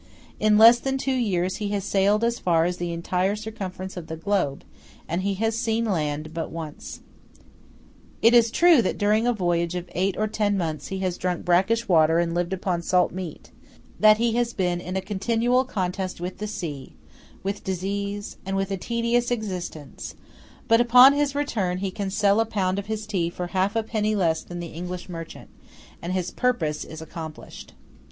In less than two years he has sailed as far as the entire circumference of the globe, and he has seen land but once. It is true that during a voyage of eight or ten months he has drunk brackish water and lived upon salt meat; that he has been in a continual contest with the sea, with disease, and with a tedious existence; but upon his return he can sell a pound of his tea for a half penny less than the English merchant, and his purpose is accomplished.